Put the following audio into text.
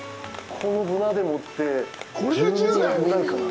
このブナでもって１０年ぐらいかな？